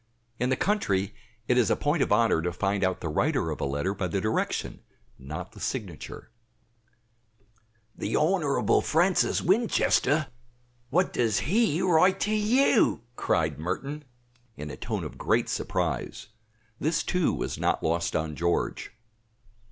In the country it is a point of honor to find out the writer of a letter by the direction, not the signature. "The Honorable Francis Winchester! What does he write to you?" cried Merton, in a tone of great surprise. This, too, was not lost on George.